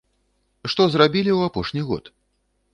Што зрабілі ў апошні год?